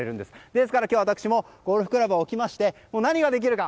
ですから今日私もゴルフクラブを置きまして何ができるか。